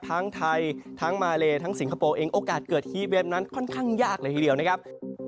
ทั้งไทยทั้งมาเลทั้งสิงคโปร์เองโอกาสเกิดฮีเวนนั้นค่อนข้างยากเลยทีเดียวนะครับ